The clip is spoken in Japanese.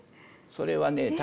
それはね